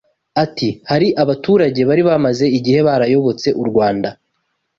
Ati “Hari abaturage bari bamaze igihe barayobotse u Rwanda